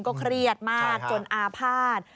ก็เครียดมากจนอ้าพาด